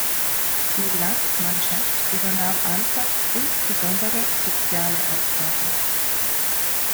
Die Landsmannschaft übernahm anfangs insbesondere soziale Aufgaben.